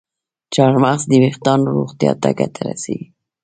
چارمغز د ویښتانو روغتیا ته ګټه رسوي.